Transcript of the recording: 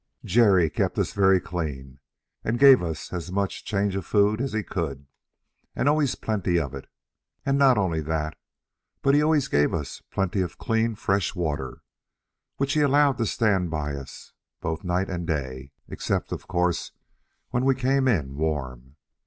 Jerry kept us very clean, and gave us as much change of food as he could, and always plenty of it; and not only that, but he always gave us plenty of clean fresh water, which he allowed to stand by us both night and day, except of course when we came in warm.